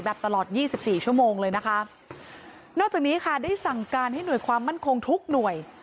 ตลอดยี่สิบสี่ชั่วโมงเลยนะคะนอกจากนี้ค่ะได้สั่งการให้หน่วยความมั่นคงทุกหน่วย